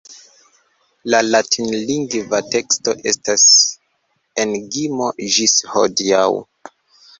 La latinlingva teksto estas enigmo ĝis hodiaŭ.